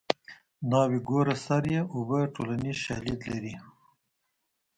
ناوې ګوره سر یې اوبه ټولنیز شالید لري